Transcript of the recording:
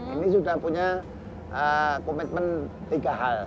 ini sudah punya komitmen tiga hal